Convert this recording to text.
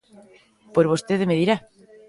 Pois vostede me dirá.